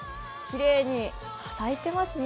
きれいに咲いてますね。